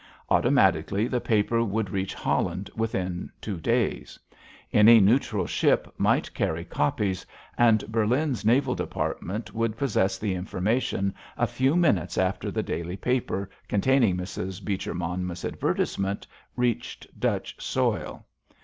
Automatically the paper would reach Holland within two days. Any neutral ship might carry copies, and Berlin's Naval Department would possess the information a few minutes after the daily paper containing Mrs. Beecher Monmouth's advertisement reached Dutch soil.